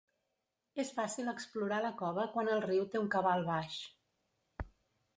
És fàcil explorar la cova quan el riu té un cabal baix.